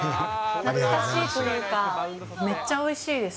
懐かしいというか、めっちゃおいしいです。